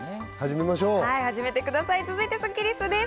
続いてスッキりす。